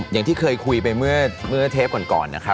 อย่างที่เคยคุยไปเมื่อเทปตอน